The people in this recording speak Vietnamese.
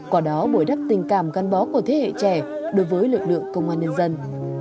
quả đó bồi đắp tình cảm gắn bó của thế hệ trẻ đối với lực lượng công an nhân dân